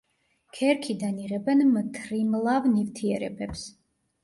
ქერქიდან იღებენ მთრიმლავ ნივთიერებებს.